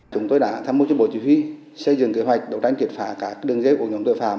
chúng tôi đã tham mưu cho bộ chỉ huy xây dựng kế hoạch đấu tranh triệt phá các đường dây của nhóm tội phạm